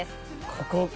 ここ。